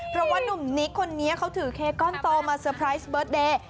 เพราะว่านุ่มนิกคนนี้เขาถือเคก้อนโตมาเตอร์ไพรส์เบิร์ตเดย์